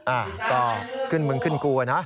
อ่ะก็ขึ้นมึงขึ้นกูอ่ะนะ